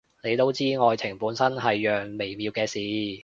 你都知，愛情本身係樣微妙嘅事